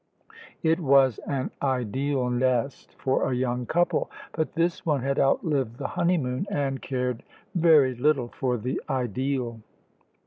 It was an ideal nest for a young couple. But this one had outlived the honeymoon, and cared very little for the ideal.